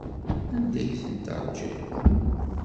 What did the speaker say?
Anda ay ten-teṛjiḍ?